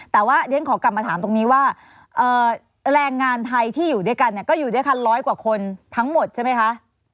แต่ว่าเรียนขอกลับมาถามตรงนี้ว่าแรงงานไทยที่อยู่ด้วยกันเนี่ยก็อยู่ด้วยกันร้อยกว่าคนทั้งหมดใช่ไหมคะ